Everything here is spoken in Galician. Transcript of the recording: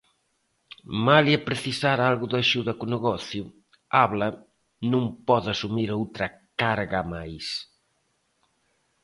Malia precisar algo de axuda co negocio, Abla non pode asumir outra carga máis.